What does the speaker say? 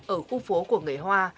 ở khu phố của người hoa